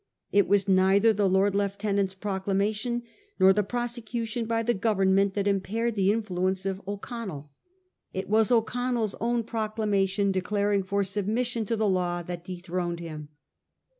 It was neither the Lord Lieutenant's procla mation nor the prosecution by the Government that impaired the influence of O'Connell. It was O'Con nell's own proclamation declaring for submission to the law that dethroned him.